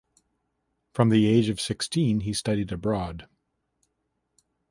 From the age of sixteen he studied abroad.